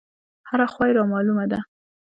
هره خوا يې رامالومه ده.